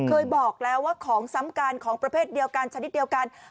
เคยบอกแล้วว่าของซ้ำกันของประเภทเดียวกันชนิดเดียวกัน